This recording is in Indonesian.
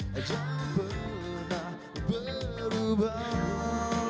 jangan pernah berubah